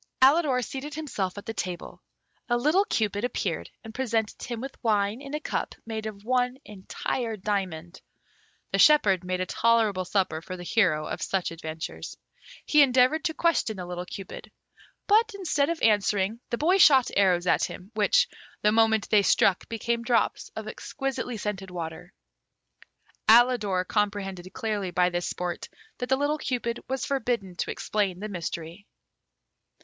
Alidor seated himself at the table. A little Cupid appeared and presented him with wine in a cup made of one entire diamond. The shepherd made a tolerable supper for the hero of such adventures. He endeavoured to question the little Cupid; but, instead of answering, the boy shot arrows at him, which, the moment they struck, became drops of exquisitely scented water. Alidor comprehended clearly by this sport that the little Cupid was forbidden to explain the mystery.